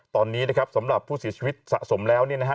ตอนนี้นะครับสำหรับผู้เสียชีวิตสะสมแล้วเนี่ยนะฮะ